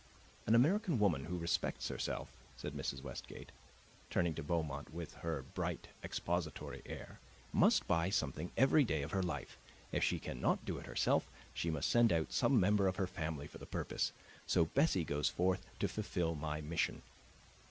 "An American woman who respects herself," said Mrs. Westgate, turning to Beaumont with her bright expository air, "must buy something every day of her life. If she can not do it herself, she must send out some member of her family for the purpose. So Bessie goes forth to fulfill my mission."